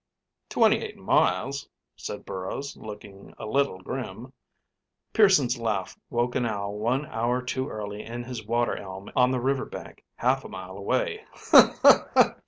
"Twenty eight miles," said Burrows, looking a little grim. Pearson's laugh woke an owl one hour too early in his water elm on the river bank, half a mile away.